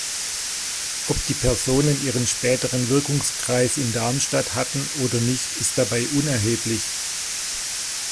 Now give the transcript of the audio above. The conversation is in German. Ob die Personen ihren späteren Wirkungskreis in Darmstadt hatten oder nicht ist dabei unerheblich.